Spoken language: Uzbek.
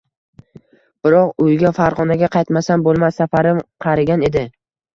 Biroq, uyga, Farg’onaga qaytmasam bo’lmas, safarim qarigan edi.